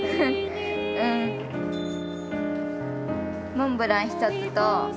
モンブラン１つと。